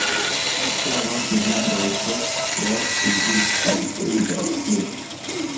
Kiakochi nambeshek a sikik chuk eng chokchet